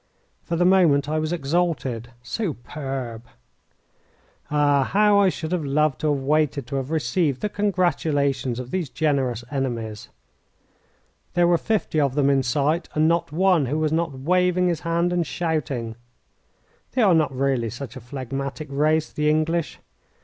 For the moment I was exalted superb! Ah! how I should have loved to have waited to have received the congratulations of these generous enemies. There were fifty of them in sight, and not one who was not waving his hand and shouting. They are not really such a phlegmatic race, the English.